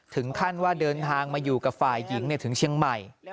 ถึงขั้นว่าเดินทางมาอยู่กับฝ่ายหญิงถึงเชียงใหม่